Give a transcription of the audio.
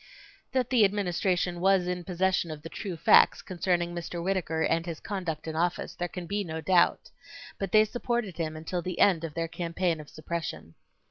That the Administration was in possession of the true facts concerning Mr. Whittaker and his conduct in office there can be no doubt. But they supported him until the end of their campaign of suppression.